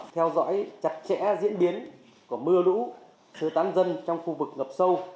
theo dõi chặt chẽ diễn biến của mưa lũ sơ tán dân trong khu vực ngập sâu